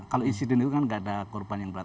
kalau insiden itu kan nggak ada korban yang berat